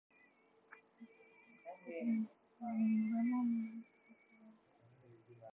He has participated at Sanremo Music Festival on three occasions.